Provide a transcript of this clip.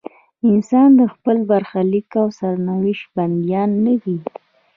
انسانان د خپل برخلیک او سرنوشت بندیان نه دي.